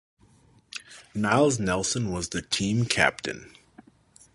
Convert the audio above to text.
Niles Nelson was the team captain.